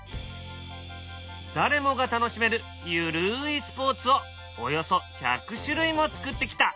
誰もが楽しめるゆるいスポーツをおよそ１００種類も作ってきた。